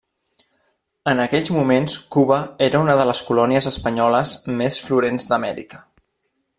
En aquells moments Cuba era una de les colònies espanyoles més florents d'Amèrica.